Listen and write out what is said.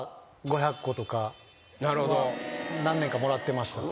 何年かもらってましたね。